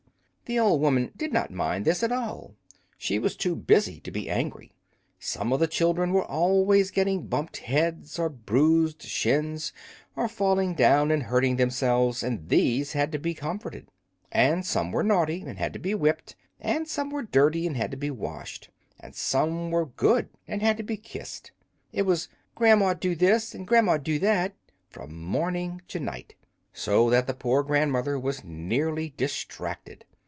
The old woman did not mind this at all; she was too busy to be angry. Some of the children were always getting bumped heads or bruised shins, or falling down and hurting themselves, and these had to be comforted. And some were naughty and had to be whipped; and some were dirty and had to be washed; and some were good and had to be kissed. It was "Gran'ma, do this!" and "Gran'ma, do that!" from morning to night, so that the poor grandmother was nearly distracted.